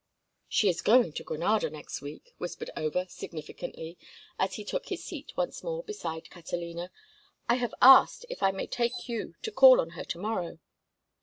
"She is going to Granada next week," whispered Over, significantly, as he took his seat once more beside Catalina. "I have asked if I may take you to call on her to morrow."